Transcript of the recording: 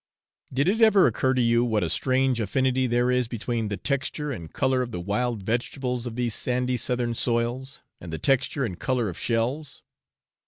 Did it ever occur to you what a strange affinity there is between the texture and colour of the wild vegetables of these sandy southern soils, and the texture and colour of shells?